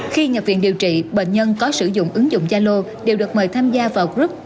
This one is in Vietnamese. khi nhập viện điều trị bệnh nhân có sử dụng ứng dụng gia lô đều được mời tham gia vào group